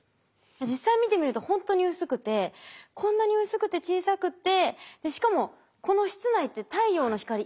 実際見てみるとほんとに薄くてこんなに薄くて小さくてしかもこの室内って太陽の光一切ないじゃないですか。